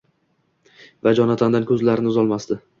va Jonatandan ko‘zlarini uzolmasdi.